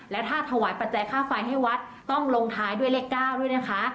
และถ้าถวายปัจจัยค่าไฟให้วัดต้องลงท้ายด้วยเลข๙ด้วยนะคะ